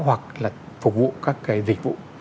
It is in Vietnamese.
hoặc là phục vụ các cái dịch vụ